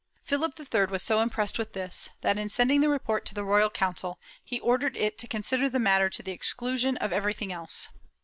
Philip III was so impressed with this that, in sending the report to the Royal Council, he ordered it to consider the matter to the exclusion of everything else.